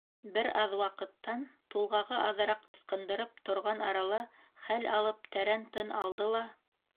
Бер аҙ ваҡыттан, тулғағы аҙыраҡ ысҡындырып торған арала хәл алып, тәрән тын алды ла.